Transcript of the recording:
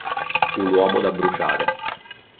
Un uomo da bruciare